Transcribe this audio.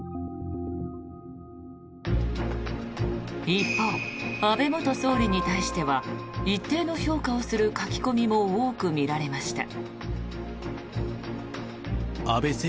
一方、安倍元総理に対しては一定の評価をする書き込みも多く見られました。